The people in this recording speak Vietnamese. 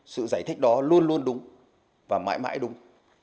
sự giải thích đó luôn luôn đúng và mãi mãi đúng